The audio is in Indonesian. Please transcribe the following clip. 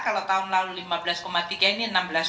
kalau tahun lalu lima belas tiga ini enam belas